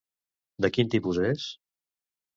De quin tipus és?